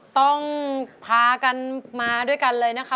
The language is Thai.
ต้องพากันมาด้วยกันเลยนะคะ